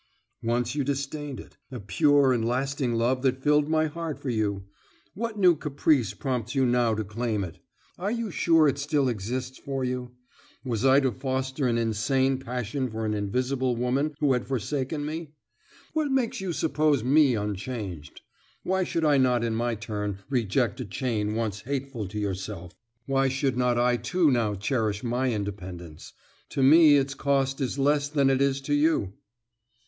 "Once you disdained it a pure and lasting love that filled my heart for you. What new caprice prompts you now to claim it? Are you sure it still exists for you? Was I to foster an insane passion for an invisible woman who had forsaken me? What makes you suppose me unchanged? Why should I not in my turn reject a chain once hateful to yourself? Why should not I too now cherish my independence? To me its cost is less than it is to you."